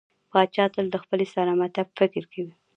پاچا تل د خپلې سلامتيا په فکر کې وي .